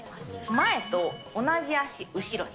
前と同じ足、後ろに。